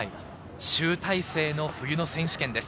集大成の冬の選手権です。